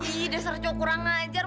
ih dasar cowok kurang ngajar